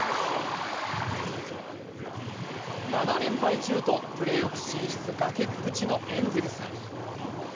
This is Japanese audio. ７連敗中とプレーオフ進出崖っぷちのエンゼルス。